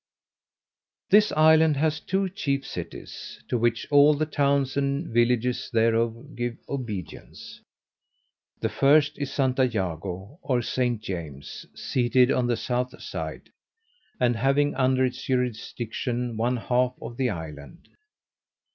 This island hath two chief cities, to which all the towns and villages thereof give obedience. The first is Santa Jago, or St. James, seated on the south side, and having under its jurisdiction one half of the island.